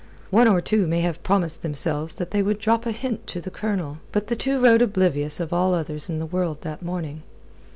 One or two may have promised themselves that they would drop a hint to the Colonel. But the two rode oblivious of all others in the world that morning.